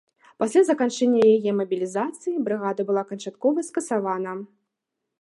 Пасля заканчэння яе мабілізацыі, брыгада была канчаткова скасавана.